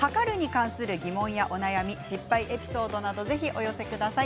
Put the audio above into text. はかるに関する疑問やお悩み失敗エピソードなどぜひお寄せください。